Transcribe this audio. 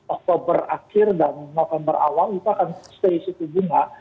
oktober akhir dan november awal itu akan stay suku bunga